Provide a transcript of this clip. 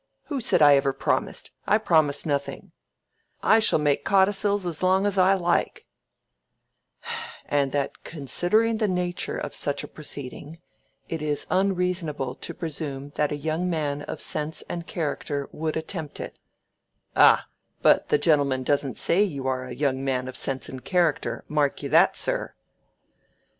who said I had ever promised? I promise nothing—I shall make codicils as long as I like—_and that considering the nature of such a proceeding, it is unreasonable to presume that a young man of sense and character would attempt it_—ah, but the gentleman doesn't say you are a young man of sense and character, mark you that, sir!